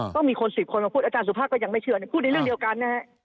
ต้องมีคน๑๐คนมาพูดอาจารย์สุภาพก็ยังไม่เชื่อพูดในเรื่องเดียวกันนะฮะ